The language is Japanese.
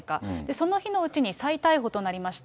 その日のうちに再逮捕となりました。